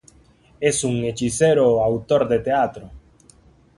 Es un hechicero autor de teatro.